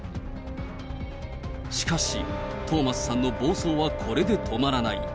しかし、トーマスさんの暴走はこれで止まらない。